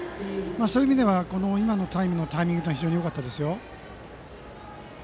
そういう意味では今のタイムのタイミングは非常によかったですよ。